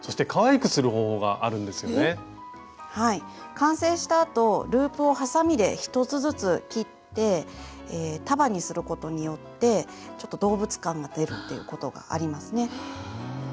完成したあとループをはさみで１つずつ切って束にすることによってちょっと動物感が出るっていうことがありますね。